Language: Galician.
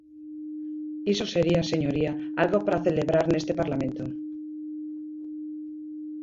Iso sería, señoría, algo para celebrar neste Parlamento.